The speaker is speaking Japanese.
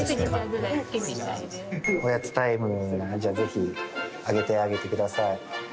おやつタイムじゃあぜひあげてあげてください。